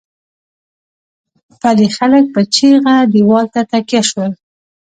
پلې خلک په چيغه دېوال ته تکيه شول.